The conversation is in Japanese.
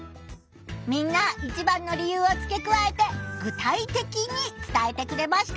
みんな一番の理由をつけくわえて具体的に伝えてくれました。